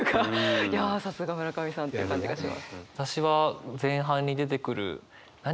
いやさすが村上さんって感じがします。